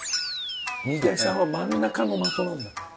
水谷さんは真ん中の的なんで。